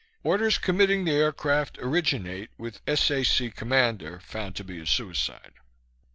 (Orders committing the aircraft originate with S.A.C. commander, found to be a suicide.)